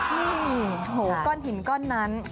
อือโอ้โฮก้อนหินก้อนนั้น